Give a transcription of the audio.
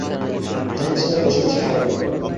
জাহিদ সাহেব বসেবসে তাই ভাবেন।